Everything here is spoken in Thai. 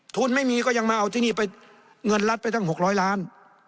ทุนไม่มีก็ยังมาเอาที่นี่ไปเงินรัฐไปตั้ง๖๐๐ล้าน